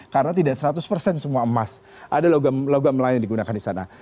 karena tidak seratus semua emas ada logam lain yang digunakan di sana